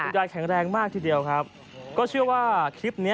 ยายแข็งแรงมากทีเดียวครับก็เชื่อว่าคลิปนี้